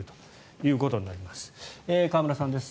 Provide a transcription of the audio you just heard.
河村さんです。